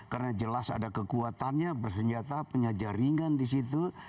karena jelas ada kekuatannya bersenjata punya jaringan di situ